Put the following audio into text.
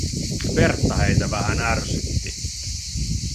Pertta heitä vähän ärsytti.